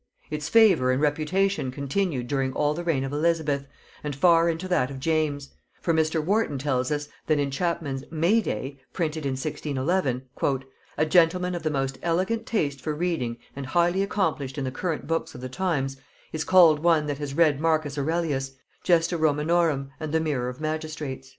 Its favor and reputation continued during all the reign of Elizabeth, and far into that of James; for Mr. Warton tells us that in Chapman's "May day," printed in 1611, "a gentleman of the most elegant taste for reading and highly accomplished in the current books of the times, is called 'one that has read Marcus Aurelius, Gesta Romanorum, and the Mirror of Magistrates.'